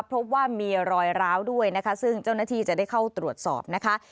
พบว่ามีรอยร้าวด้วยนะคะซึ่งเจ้าหน้าที่จะได้เข้าตรวจสอบนะคะ